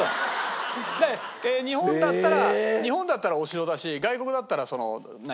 だから日本だったら日本だったらお城だし外国だったら何？